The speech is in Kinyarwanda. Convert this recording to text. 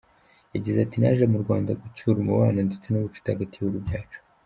Yagize ati" Naje mu Rwanda gutsura umubano ndetse n’ubucuti hagati y’ibihugu byacu.